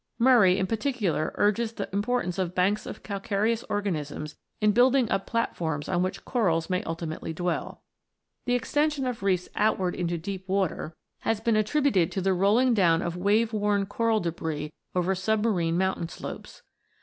Murray in particular urges the importance of banks of calcareous organisms in building up platforms on which corals may ultimately dwell. The extension of reefs outward into deep water has 26 ROCKS AND THEIR ORIGINS [CH. been attributed to the rolling down of wave worn coral debris over submarine mountain slopes.